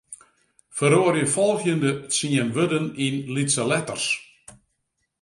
Feroarje folgjende tsien wurden yn lytse letters.